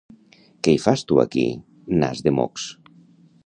Què hi fas tu aquí, nas de mocs?